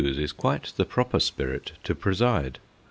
's is quite the proper spirit to preside.